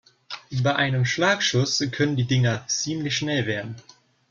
Bei einem Schlagschuss können die Dinger ziemlich schnell werden.